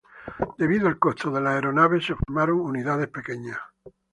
Debido al costo de las aeronaves, se formaron unidades pequeñas.